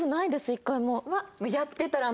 １回も。